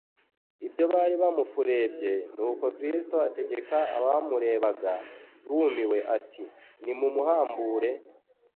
ibyo bari bamufurebye, nuko Kristo ategeka abamurebaga bumiwe ati: "Nimumuhambure,